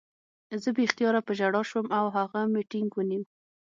زه بې اختیاره په ژړا شوم او هغه مې ټینګ ونیو